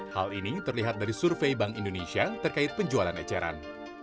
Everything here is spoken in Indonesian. hal ini terlihat dari survei bank indonesia terkait penjualan eceran